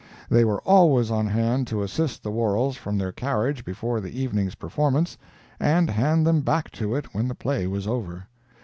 They were always on hand to assist the Worrells from their carriage before the evening's performance, and hand them back to it when the play was over.